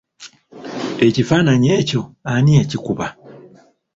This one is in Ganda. Ekifaananyi ekyo ani yakikuba?